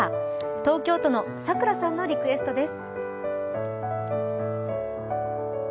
東京都のさくらさんのリクエストです。